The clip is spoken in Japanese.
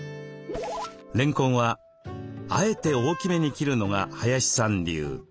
れんこんはあえて大きめに切るのが林さん流。